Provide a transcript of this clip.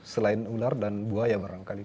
selain ular dan buaya barangkali